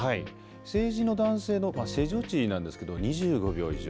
成人の男性の正常値なんですけど、２５秒以上。